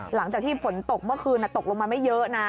หลังจากที่ฝนตกเมื่อคืนตกลงมาไม่เยอะนะ